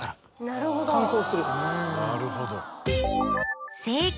なるほど。